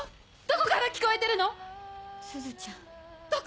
どこから聴こえてるの⁉すずちゃん。